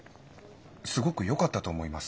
すごくよかったと思います。